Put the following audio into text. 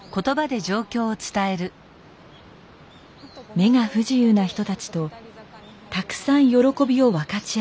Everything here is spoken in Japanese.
目が不自由な人たちとたくさん喜びを分かち合いたい。